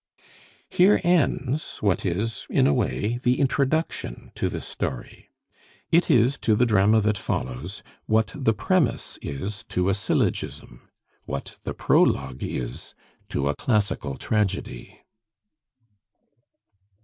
Here ends what is, in a way, the introduction to this story. It is to the drama that follows that the premise is to a syllogism, what the prologue is to a classical tragedy.